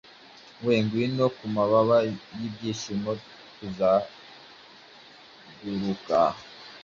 We. Ngwino, ku mababa y'ibyishimo tuzaguruka